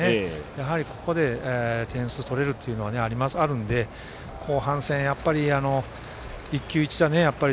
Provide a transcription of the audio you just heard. やはり、ここで点数取れるというのはあるので後半戦、やっぱり一球一打